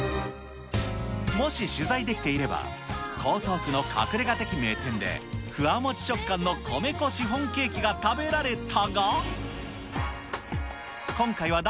もし取材できていれば、江東区の隠れが的名店で、ふわもち食感の米粉シフォンケーキが食べられたが。